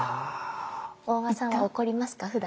大場さんは怒りますか？